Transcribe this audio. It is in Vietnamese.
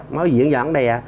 mới diễn dẫn đây